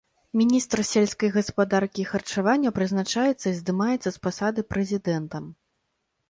Міністр сельскай гаспадаркі і харчавання прызначаецца і здымаецца з пасады прэзідэнтам.